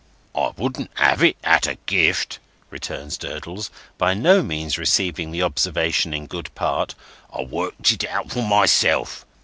"I wouldn't have it at a gift," returns Durdles, by no means receiving the observation in good part. "I worked it out for myself.